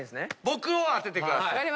僕を当ててください。